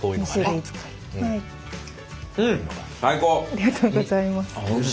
ありがとうございます。